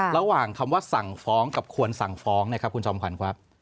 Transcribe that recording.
ระหว่างคำว่าสั่งฟ้องกับควรสั่งฟ้องนะครับคุณจอมขวัญครับ